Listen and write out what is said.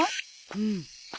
うん。